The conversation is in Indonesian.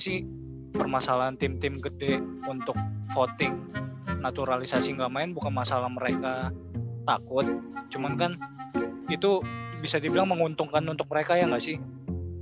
sih permasalahan tim tim gede untuk voting naturalisasi nggak main bukan masalah mereka takut cuman kan itu bisa dibilang menguntungkan untuk mereka ya nggak sih